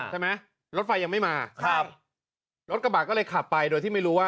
ใช่ไหมรถไฟยังไม่มาครับรถกระบะก็เลยขับไปโดยที่ไม่รู้ว่า